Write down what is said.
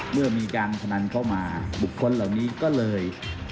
เมื่อมีการพนันเข้ามาบุคคลเหล่านี้ก็เลย